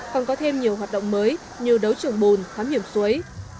còn có thêm nhiều hoạt động mới như đấu trường bùn thám hiểm suối